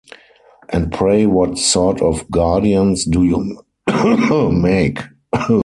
And pray what sort of guardians do you make?